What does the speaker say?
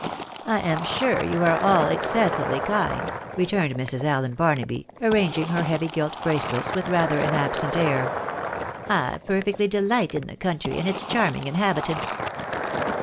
" I am sure you are all excessively kind," returned Mrs. Allen Barnaby, arranging her heavy gilt bracelets with rather an absent air. " I perfectly delight in the country, and its charming inhabitants